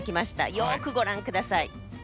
よくご覧ください。